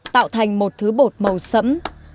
tạo thành một thứ bột màu sẫm